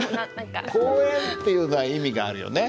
「公園」っていうのは意味があるよね。